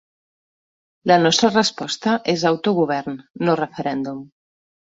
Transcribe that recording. La nostra resposta és autogovern, no referèndum.